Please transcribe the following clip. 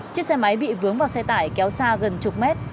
chiếc xe máy bị vướng vào xe tải kéo xa gần chục mét